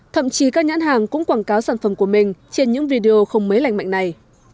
thậm chí các nhãn hàng cũng quảng cáo sản phẩm của mình trên những video không mấy lành mạnh này